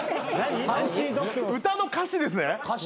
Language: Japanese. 歌の歌詞ですね。